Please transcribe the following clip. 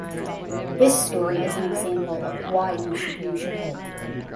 This story is an example of why you should use your head.